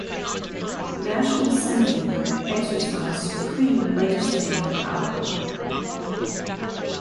The National Assembly exercise supreme legislative power.